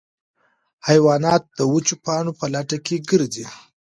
حیوانات د وچو پاڼو په لټه کې ګرځي.